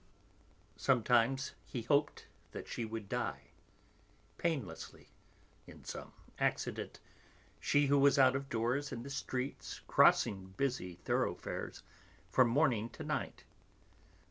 Sometimes he hoped that she would die, painlessly, in some accident, she who was out of doors in the streets, crossing busy thoroughfares, from morning to night.